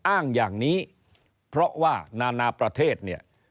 อ้างอย่างนี้เพราะว่านานาประเทศเนี่ย